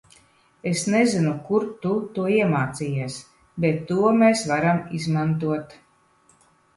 Es nezinu kur tu to iemācījies, bet to mēs varam izmantot.